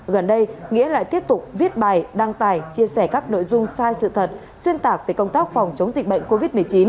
gần đây nghĩa lại tiếp tục viết bài đăng tải chia sẻ các nội dung sai sự thật xuyên tạc về công tác phòng chống dịch bệnh covid một mươi chín